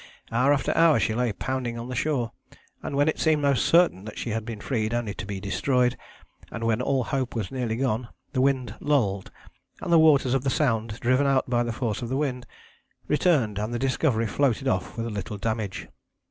Hour after hour she lay pounding on the shore, and when it seemed most certain that she had been freed only to be destroyed, and when all hope was nearly gone, the wind lulled, and the waters of the Sound, driven out by the force of the wind, returned and the Discovery floated off with little damage.